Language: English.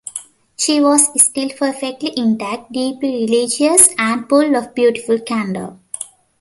She was still perfectly intact, deeply religious, and full of beautiful candour.